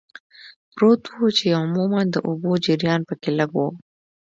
پروت و، چې عموماً د اوبو جریان پکې لږ و.